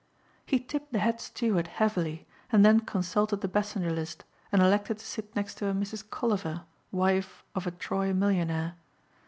He tipped the head steward heavily and then consulted the passenger list and elected to sit next to a Mrs. Colliver wife of a Troy millionaire.